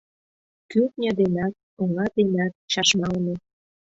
Кӱртньӧ денат, оҥа денат чашмалыме.